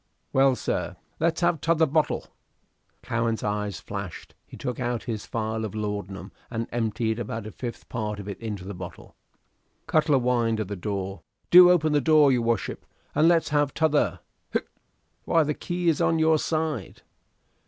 "Well, sir?" "Let's have t'other bo'l." Cowen's eyes flashed; he took out his phial of laudanum and emptied about a fifth part of it into the bottle. Cutler whined at the door, "Do open the door, your wuship, and let's have t'other (hic)." "Why, the key is on your side."